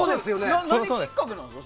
何きっかけなんですか。